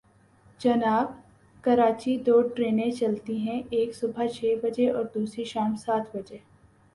جناب، کراچی دو ٹرینیں چلتی ہیں، ایک صبح چھ بجے اور دوسری شام سات بجے۔